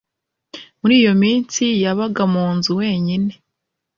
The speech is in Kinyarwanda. Muri iyo minsi yabaga mu nzu wenyine